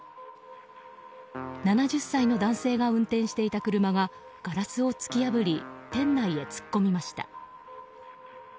７０歳の男性が運転していた車がガラスを突き破り店内へ突っ込みました。